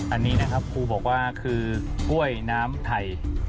อันนี้นะครับครูบอกว่าคือกล้วยน้ำไทย